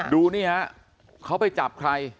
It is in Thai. ดูนี่ฮะเขาไปจับใคร